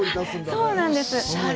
そうなんです。